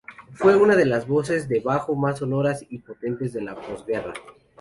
Fue una de las voces de bajo más sonoras y potentes de la posguerra.